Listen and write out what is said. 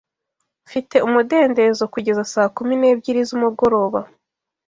Mfite umudendezo kugeza saa kumi n'ebyiri z'umugoroba.